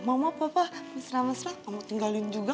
mama papa mesra mesra kamu tinggalin juga